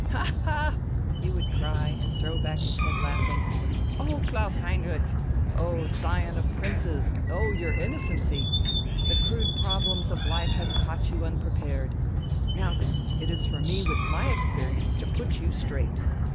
"Ha, ha," he would cry and throw his head back laughing. "Oh, Klaus Heinrich! Oh, scion of princes! Oh, your innocency! The crude problems of life have caught you unprepared! Now then, it is for me with my experience to put you straight."